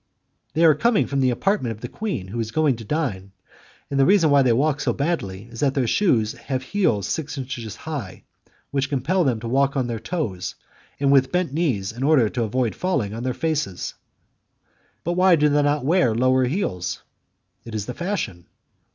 "They are coming from the apartment of the queen who is going to dine, and the reason why they walk so badly is that their shoes have heels six inches high, which compel them to walk on their toes and with bent knees in order to avoid falling on their faces." "But why do they not wear lower heels?" "It is the fashion."